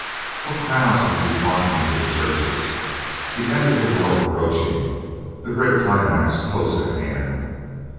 What crowds must be flocking to the churches! The end of the world approaching! the great climax close at hand!